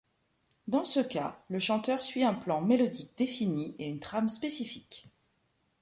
Dans ce cas, le chanteur suit un plan mélodique défini et une trame spécifique.